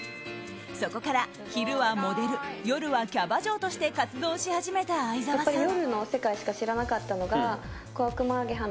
そこから昼はモデル夜はキャバ嬢として活動し始めた愛沢さん。